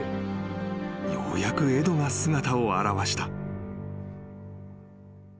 ようやくエドが姿を現した］